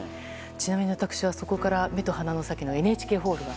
ちなみに私はそこから目と鼻の先のＮＨＫホールが。